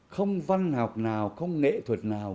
không văn học nào không nghệ thuật nào